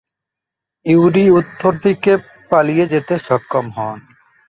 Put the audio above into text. Yuri উত্তরদিকে পালিয়ে যেতে সক্ষম হন।